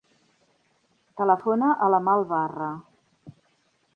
Telefona a l'Amal Barra.